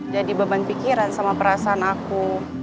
jadi beban pikiran sama perasaan aku